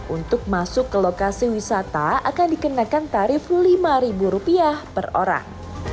untuk masuk ke lokasi wisata akan dikenakan tarif rp lima per orang